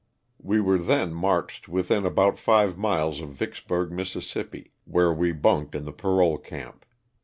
We were then marched within about five miles of Vicks burg. Miss., where we bunked in the parole camp.